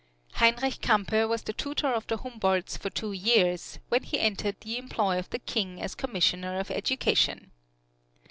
Heinrich Campe was the tutor of the Humboldts for two years, when he entered the employ of the King as Commissioner of Education.